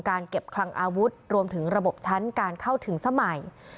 การเก็บคลังอาวุธรวมถึงระบบชั้นการเข้าถึงสมัย